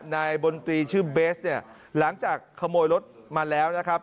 นายบนตรีชื่อเบสเนี่ยหลังจากขโมยรถมาแล้วนะครับ